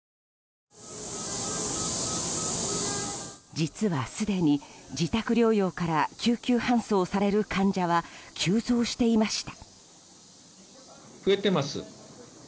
実はすでに自宅療養から救急搬送される患者は急増していました。